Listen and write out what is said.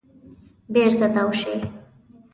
بېرته تاو شئ .